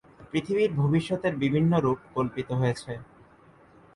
পৃথিবীর ভবিষ্যতের বিভিন্ন রূপ কল্পিত হয়েছে।